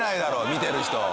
見てる人。